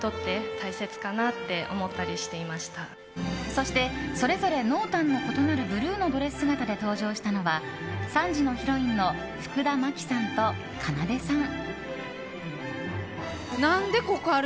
そして、それぞれ濃淡の異なるブルーのドレス姿で登場したのは３時のヒロインの福田麻貴さんとかなでさん。